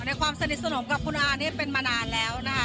ความสนิทสนมกับคุณอาเนี่ยเป็นมานานแล้วนะคะ